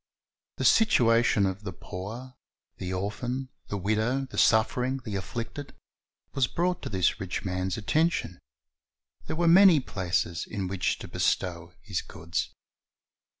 The situation of the poor, the orphan, the widow, the suffering, the afflicted, was brought to this rich man's attention; there were many places in which to bestow liis goods.